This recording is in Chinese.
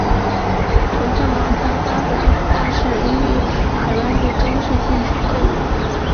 棒状毛毡苔粉的化石花粉发现于台湾的中新世构成物。